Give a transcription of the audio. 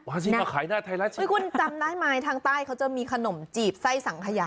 จริงมาขายหน้าไทยรัฐใช่ไหมคือคุณจำได้ไหมทางใต้เขาจะมีขนมจีบไส้สังขยะ